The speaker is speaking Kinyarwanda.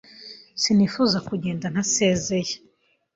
Sinifuzaga kugenda ntasezeye.